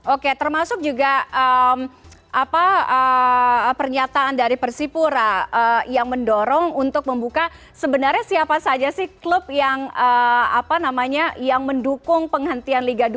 oke termasuk juga pernyataan dari persipura yang mendorong untuk membuka sebenarnya siapa saja sih klub yang mendukung penghentian liga dua